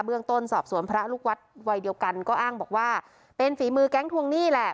เรื่องต้นสอบสวนพระลูกวัดวัยเดียวกันก็อ้างบอกว่าเป็นฝีมือแก๊งทวงหนี้แหละ